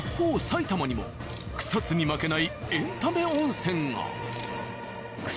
埼玉にも草津に負けないエンタメ温泉が！